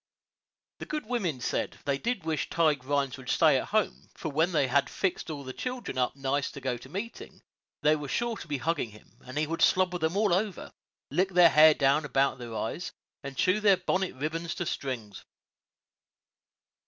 The good women said, they did wish Tige Rhines would stay at home, for when they had fixed the children all up nice to go to meeting, they were sure to be hugging him, and he would slobber them all over, lick their hair down about their eyes, and chew their bonnet "ribbins" into strings.